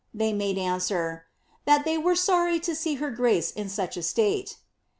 They made answer, ^^ that they were sorry to see her grace in such a case."